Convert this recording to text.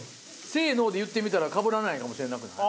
せーので言ってみたらかぶらないかもしれなくない？